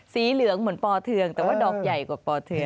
เหลืองเหมือนปอเทืองแต่ว่าดอกใหญ่กว่าปอเทือง